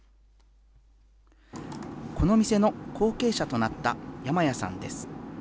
この店の後継者となった山谷さんです。